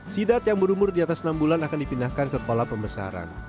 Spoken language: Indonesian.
sidap yang berumur di atas enam bulan akan dipindahkan ke kolam pembesaran